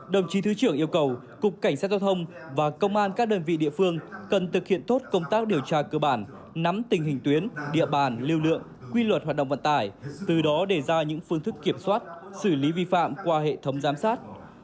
đồng chí thứ trưởng yêu cầu cục cảnh sát giao thông và công an các đơn vị địa phương cần thực hiện tốt công tác điều tra cơ bản nắm tình hình tuyến địa bàn lưu lượng quy luật hoạt động vận tải từ đó đề ra những phương thức kiểm soát xử lý vi phạm qua hệ thống giám sát